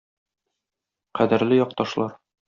Кадерле якташлар!